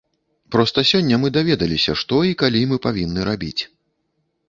Проста сёння мы даведаліся, што і калі мы павінны рабіць.